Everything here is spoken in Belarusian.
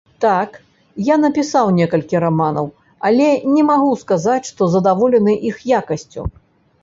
Так, я напісаў некалькі раманаў, але не магу сказаць, што задаволены іх якасцю.